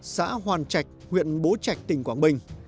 xã hoàn trạch huyện bố trạch tỉnh quảng bình